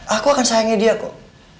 aku akan sayangnya dia kok